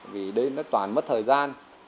vì đây nó toàn mất thời gian